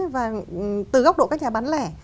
và từ góc độ các nhà bán lẻ